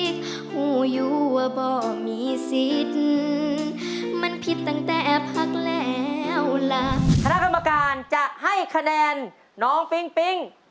คณะกรรมการจะให้คะแนนน้องปิ๊งปิ๊ง